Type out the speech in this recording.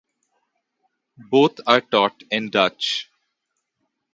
Both are taught in Dutch.